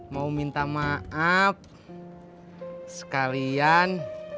mau minta maaf sekalian